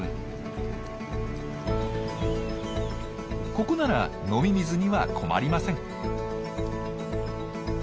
ここなら飲み水には困りません。